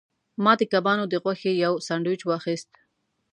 ما د کبانو د غوښې یو سانډویچ واخیست.